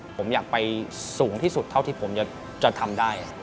ผมอยากไปสูงที่สุดเท่าที่ผมจะทำได้